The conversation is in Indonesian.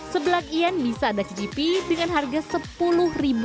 sebelak ien bisa ada cgp dengan harga rp sepuluh